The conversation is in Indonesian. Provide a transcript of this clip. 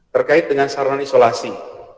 terkait dengan saran isolasi